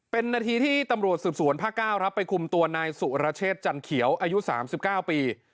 เป็นนาทีที่ตำรวจศูนย์ภาคเก้าไปคุมตัวนายสุรเชษฐ์จันทร์เขียวอายุ๓๙ปี